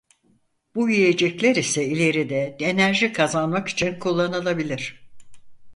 Bu yiyecekler ise ileride enerji kazanmak için kullanılabilir.